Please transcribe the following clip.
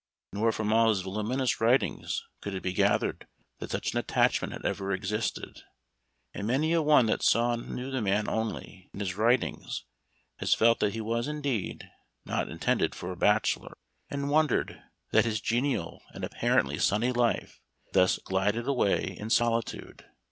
Nor from all his voluminous writings could it be gathered that such an attachment had ever existed ; and many a one that saw and knew the man only in his writings has felt that he was, indeed, " not intended for a bachelor," and wondered JO Memoir of Washington Irving. that his genial and apparently sunny life thus glided away in solitude.